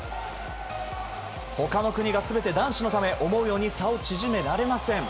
他の国が全て男子のため思うように差を縮められません。